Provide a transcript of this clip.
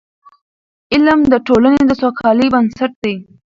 علم د ټولني د سوکالۍ بنسټ دی.